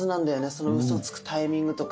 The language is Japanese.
そのウソつくタイミングとか。